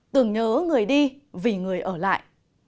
từng nhớ người đi vì người ở lại